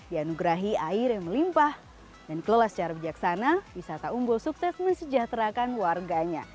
yanugrahi air yang melimpah dan kelelas secara bijaksana wisata umbul sukses mesejahterakan warganya